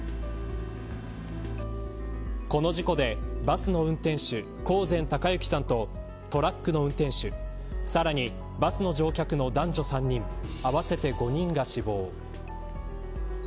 この事故で、バスの運転手興膳孝幸さんとトラックの運転手さらに、バスの乗客の男女３人合わせて５人が死亡。